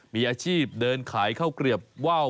มีอาชีพเดินขายข้าวเกลียบว่าว